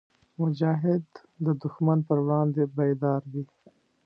مجاهد د دښمن پر وړاندې بیدار وي.